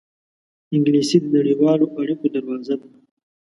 انګلیسي د نړیوالو اړېکو دروازه ده